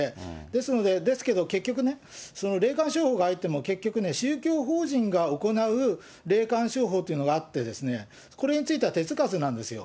ですので、ですけれども、結局ね、その霊感商法が入っても結局、宗教法人が行う霊感商法というのがあって、これについては手つかずなんですよ。